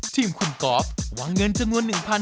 ทีมคุณกอล์ฟวางเงินจน๓๐๐บาท